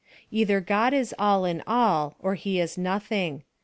Either God is all in all, or he is nothing.